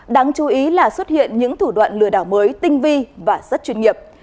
đáng chú ý là xuất hiện những thủ đoạn lừa đảo mới tinh vi và rất chuyên nghiệp